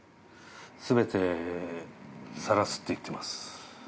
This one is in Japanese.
全てさらすって言ってます。